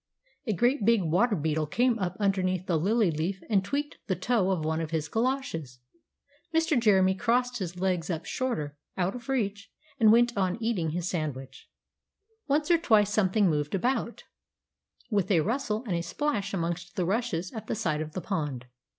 A great big water beetle came up underneath the lily leaf and tweaked the toe of one of his goloshes. Mr. Jeremy crossed his legs up shorter, out of reach, and went on eating his sandwich. Once or twice something moved about with a rustle and a splash amongst the rushes at the side of the pond.